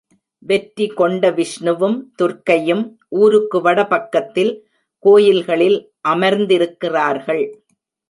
வெற்றி கொண்ட விஷ்ணுவும், துர்க்கையும் ஊருக்கு வட பக்கத்தில் கோயில்களில் அமர்ந்திருக்கிறார்கள்.